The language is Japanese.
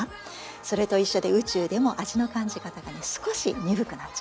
それと一緒で宇宙でも味の感じ方が少し鈍くなっちゃうんです。